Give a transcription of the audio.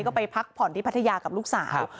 ก็ไปพักผ่อนที่พัทยากับลูกสาว